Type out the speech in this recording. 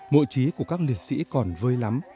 mộ trí của các lễ sĩ còn vơi lắm